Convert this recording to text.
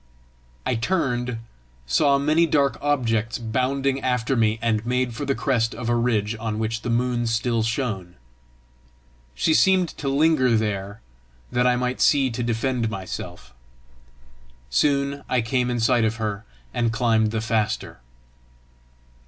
I turned, saw many dark objects bounding after me, and made for the crest of a ridge on which the moon still shone. She seemed to linger there that I might see to defend myself. Soon I came in sight of her, and climbed the faster.